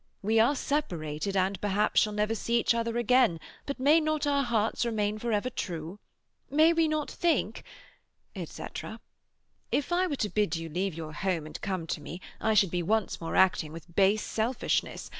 We are separated, and perhaps shall never see each other again, but may not our hearts remain for ever true? May we not think"—etc. "If I were to bid you leave your home and come to me, I should be once more acting with base selfishness.